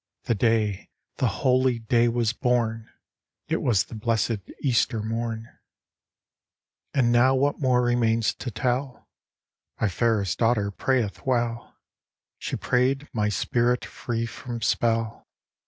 The day, the holy day was born ; It was the blessed Easter morn. VIII. And now what more remains to tell ? My fairest daughter prayeth well ; She prayed my spirit free from spell.